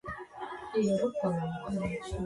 It could be a miso-based soup or soy sauce-based.